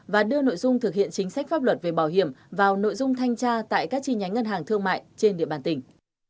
và đưa nội dung thực hiện chính sách pháp luật về bảo hiểm vào nội dung thanh tra tại các chi nhánh ngân hàng thương mại trên địa bàn tỉnh